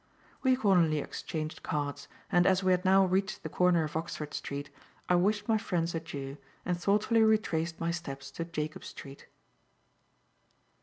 We accordingly exchanged cards, and, as we had now reached the corner of Oxford Street, I wished my friends adieu and thoughtfully retraced my steps to Jacob Street.